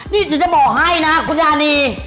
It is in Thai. นี่ฉันจะบอกให้นะคุณยานี